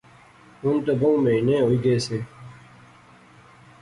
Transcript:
ہن تہ بہوں مہینے ہوئی گئی سے